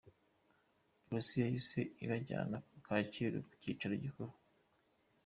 Polisi yahise ibajyana ku Kacyiru ku cyicaro gikuru.